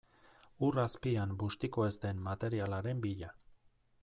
Ur azpian bustiko ez den materialaren bila.